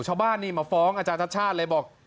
ชาวบ้านนี่มาฟ้องอาจารย์ชัดชาติเลยบอก